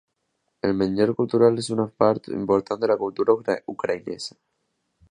El menjar cultural és una part important de la cultura ucraïnesa.